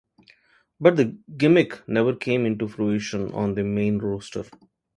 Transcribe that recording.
But the gimmick never came into fruition on the main roster.